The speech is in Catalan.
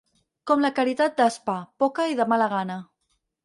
Com la caritat d'Aspa: poca i de mala gana.